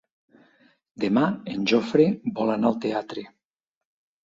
Demà en Jofre vol anar al teatre.